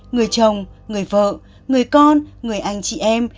người chồng người vợ người con người anh chị em